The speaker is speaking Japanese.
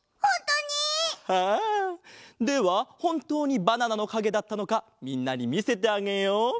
ああではほんとうにバナナのかげだったのかみんなにみせてあげよう。